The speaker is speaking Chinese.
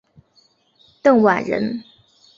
邓琬人。